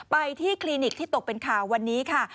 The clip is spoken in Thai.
ไปที่คลินิกที่ตกเป็นข่าววันนี้ค่ะ